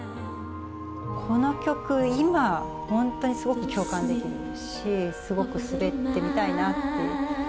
この曲、今、本当にすごく共感できるし、すごく滑ってみたいなっていう。